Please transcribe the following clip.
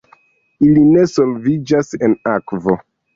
Ili ne solviĝas en akvo.